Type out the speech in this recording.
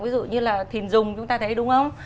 ví dụ như là thìn dùng chúng ta thấy đúng không